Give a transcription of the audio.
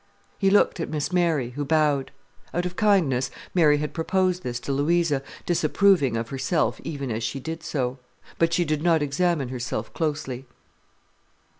He looked at Miss Mary, who bowed. Out of kindness, Mary had proposed this to Louisa, disapproving of herself even as she did so. But she did not examine herself closely.